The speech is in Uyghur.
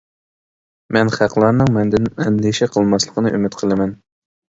مەن خەقلەرنىڭ مەندىن ئەندىشە قىلماسلىقىنى ئۈمىد قىلىمەن.